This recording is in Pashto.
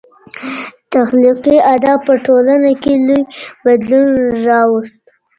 تخلیقي ادب په ټولنه کي لوی بدلون راوست.